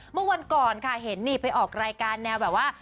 เมื่อวันก่อนค่ะเห็นนี่ไปออกรายการแนวแบบว่า